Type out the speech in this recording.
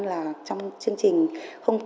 là trong chương trình tám